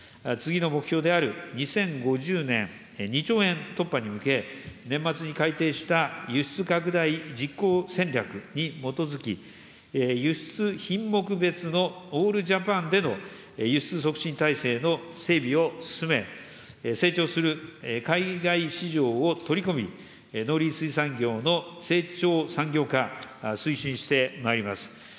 次の目標である２０５０年、２兆円突破に向け、年末に改定した輸出拡大実行戦略に基づき、輸出品目別のオールジャパンでの輸出促進体制の整備を進め、成長する海外市場を取り込み、農林水産業の成長産業化、推進してまいります。